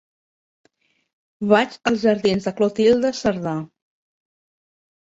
Vaig als jardins de Clotilde Cerdà.